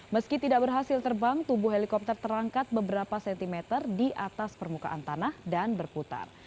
meski tidak berhasil terbang tubuh helikopter terangkat beberapa sentimeter di atas permukaan tanah dan berputar